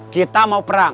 kita mau perang